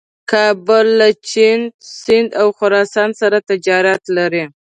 کابل له چین، سیند او خراسان سره تجارت لري.